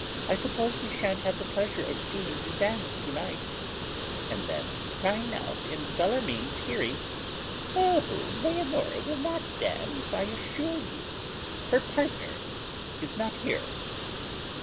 I suppose we shan't have the pleasure of seeing you dance to night;" and then crying out, in Bellarmine's hearing, "Oh! Leonora will not dance, I assure you: her partner is not here."